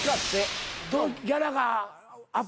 ギャラは。